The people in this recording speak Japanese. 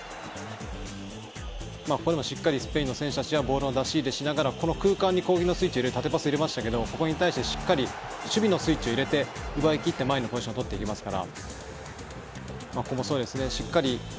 ここでもしっかりスペインの選手たちはボールの出し入れをしながらこの空間に攻撃のスイッチを入れる縦パス入れますけどしっかり守備のスイッチを入れて奪いきって前のポジションを取っていきますから。